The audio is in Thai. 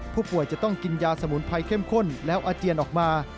ผู้ป่วยจะต้องกินยาสมุนไพรเข้มข้นแล้วอาเจียนออกมา